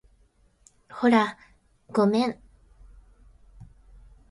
ほら、ごめん